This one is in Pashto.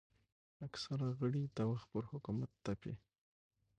اکثره غړي د وخت پر حکومت تپي